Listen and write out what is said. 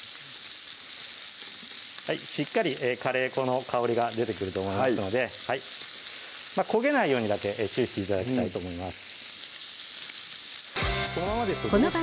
しっかりカレー粉の香りが出てくると思いますので焦げないようにだけ注意して頂きたいと思います